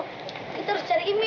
kita harus cari imin